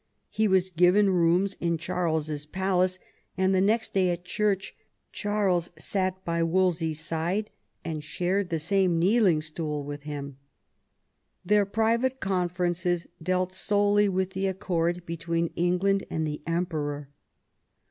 He was given rooms in Charles's palace, and the next day at church Charles sat by Wolsey's side and shared the same kneeling stool with him. Their private conferences dealt solely with the accord between England and the Emperor.